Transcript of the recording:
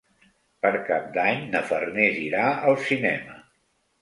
Per Cap d'Any na Farners irà al cinema.